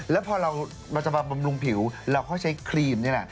แล้วพอเราจะมาบำรุงผิวเราค่อยใช้ครีมนี่แหละ